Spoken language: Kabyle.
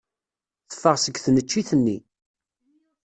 Teffeɣ seg tneččit-nni.